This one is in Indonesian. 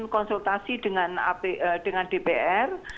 konsultasi dengan dpr